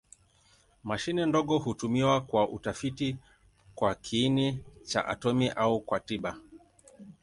Mashine ndogo hutumiwa kwa utafiti kwa kiini cha atomi au kwa tiba.